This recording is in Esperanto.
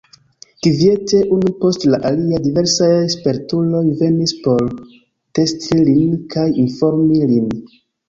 Kviete, unu post la alia, diversaj spertuloj venis por testi lin kaj informi lin.